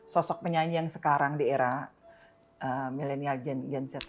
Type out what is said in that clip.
sosok penyanyi yang sekarang di era milenial gen z